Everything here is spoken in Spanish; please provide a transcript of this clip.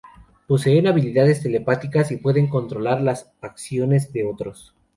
Poseen habilidades telepáticas, y pueden controlar las acciones de otros.